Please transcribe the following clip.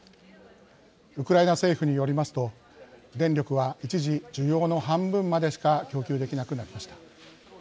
ウクライナ政府によりますと電力は一時、需要の半分までしか供給できなくなりました。